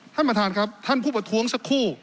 ท่านประธานครับท่านผู้ประท้วงสักครู่